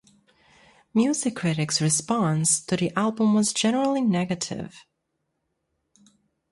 Music critics response to the album was generally negative.